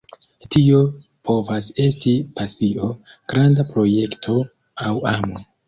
Tio povas esti pasio, granda projekto, aŭ amo.